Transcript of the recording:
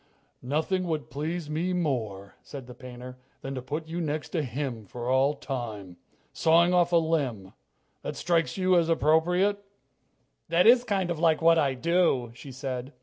"Nothing would please me more," said the painter, "than to put you next to him for all time. Sawing off a limb that strikes you as appropriate?" "That is kind of like what I do," she said.